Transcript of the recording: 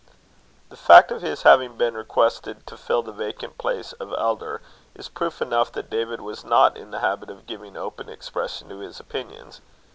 The fact of his having been requested to fill the vacant place of Elder, is proof enough that David was not in the habit of giving open expression to his opinions.